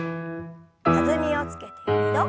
弾みをつけて２度。